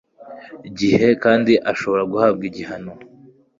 gihe kandi ashobora guhabwa ibihano